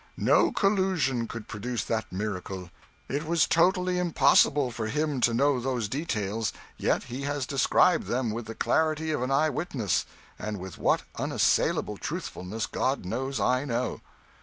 No collusion could produce that miracle. It was totally impossible for him to know those details, yet he has described them with the clarity of an eye witness and with what unassailable truthfulness God knows I know!"